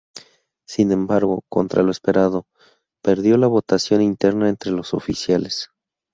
Sin embargo, contra lo esperado, perdió la votación interna entre los oficiales.